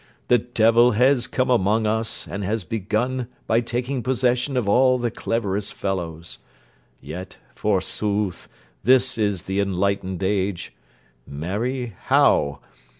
The devil has come among us, and has begun by taking possession of all the cleverest fellows. Yet, forsooth, this is the enlightened age. Marry, how?